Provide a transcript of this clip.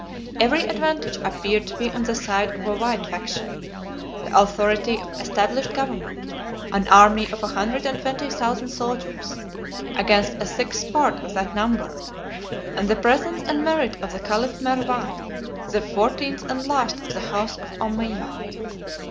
Every advantage appeared to be on the side of the white faction: the authority of established government; an army of a hundred and twenty thousand soldiers, against a sixth part of that number; and the presence and merit of the caliph Mervan, the fourteenth and last of the house of Ommiyah.